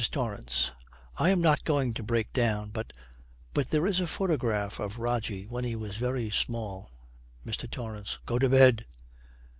TORRANCE. 'I am not going to break down; but but there is a photograph of Rogie when he was very small ' MR. TORRANCE. 'Go to bed!'